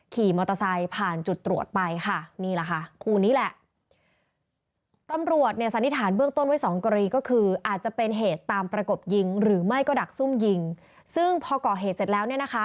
ขี่มอเตอร์ไซค์ผ่านจุดตรวจไปค่ะนี่แหละค่ะคู่นี้แหละ